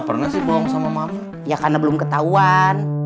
ya karena belum ketahuan